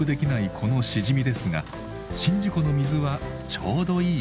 このしじみですが宍道湖の水はちょうどいい塩加減。